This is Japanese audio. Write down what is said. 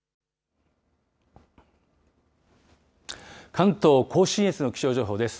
関東甲信越の気象情報です。